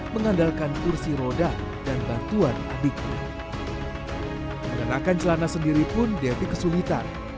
mengenakan celana sendiri pun devi kesulitan